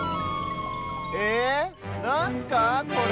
え⁉なんすかこれ？